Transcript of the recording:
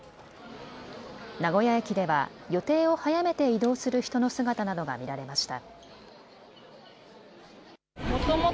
名古屋駅では予定を早めて移動する人の姿などが見られました。